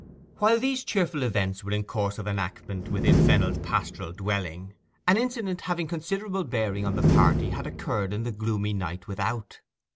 While these cheerful events were in course of enactment within Fennel's pastoral dwelling, an incident having considerable bearing on the party had occurred in the gloomy night without.